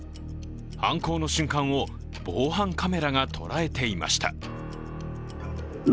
犯行の瞬間を防犯カメラが捉えていました。